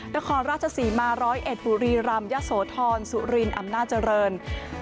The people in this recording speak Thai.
นครราชศรีมาร้อยเอ็ดบุรีรำยะโสธรสุรินอำนาจเจริญ